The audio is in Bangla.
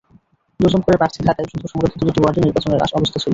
দুজন করে প্রার্থী থাকায় শুধু সংরক্ষিত দুটি ওয়ার্ডে নির্বাচনের অবস্থা ছিল।